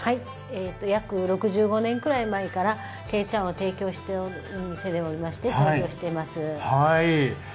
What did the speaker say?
約６５年くらい前からけいちゃんを提供している店でして操業しています。